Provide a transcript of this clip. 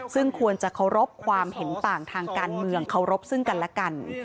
ซึ่งควรจะเคารพความเห็นต่างทางการเมืองเคารพซึ่งกันและกัน